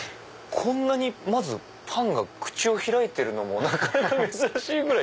こんなにパンが口を開いてるのなかなか珍しいぐらい。